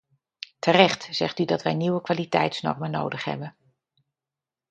Terecht zegt u dat wij nieuwe kwaliteitsnormen nodig hebben.